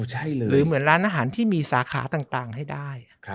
หรือเหมือนร้านอาหารที่มีสาขาต่างให้ได้